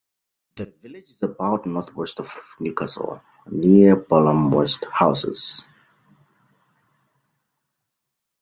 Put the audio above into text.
The village is about north-west of Newcastle, near Bolam West Houses.